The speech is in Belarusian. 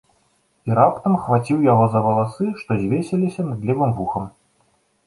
І раптам хваціў яго за валасы, што звесіліся над левым вухам.